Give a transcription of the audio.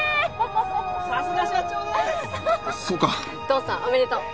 父さんおめでとう。